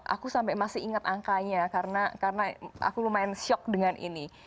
aku sampai masih ingat angkanya karena aku lumayan shock dengan ini